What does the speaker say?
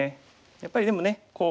やっぱりでもねこう。